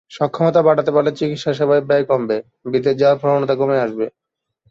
সক্ষমতা বাড়াতে পারলে চিকিৎসাসেবার ব্যয় কমবে, বিদেশ যাওয়ার প্রবণতা কমে আসবে।